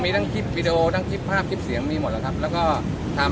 มีทั้งคลิปวีดีโอทั้งคลิปภาพคลิปเสียงมีหมดแล้วครับแล้วก็ทำ